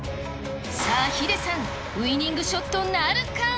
さあヒデさん、ウイニングショットなるか？